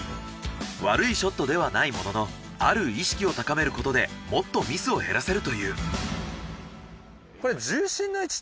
悪いショットではないもののある意識を高めることでもっとミスを減らせるという。